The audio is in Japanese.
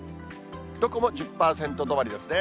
どこも１０％止まりですね。